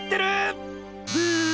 ブー！